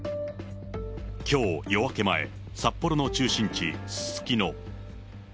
きょう夜明け前、札幌の中心地、すすきの。